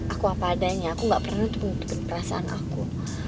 aku apa adanya aku nggak pernah tumpukan perasaan aku